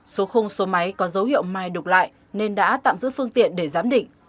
số khung số máy có dấu hiệu mai đục lại nên đã tạm giữ phương tiện để giám định